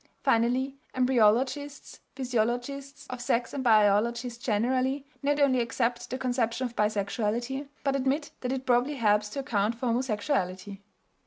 Finally, embryologists, physiologists of sex and biologists generally, not only accept the conception of bisexuality, but admit that it probably helps to account for homosexuality.